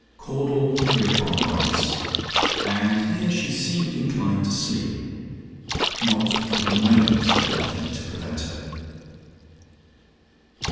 Caudle hereupon writes "And here she seemed inclined to sleep. Not for one moment did I think to prevent her."